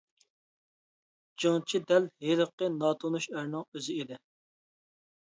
جىڭچى دەل ھېلىقى ناتونۇش ئەرنىڭ ئۆزى ئىدى.